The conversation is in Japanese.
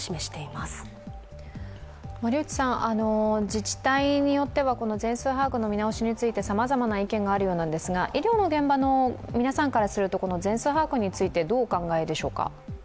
自治体によっては全数把握の見直しについてさまざまな意見があるようですが、医療の現場の皆さんからすると、この全数把握についてどうお考えでしょうか？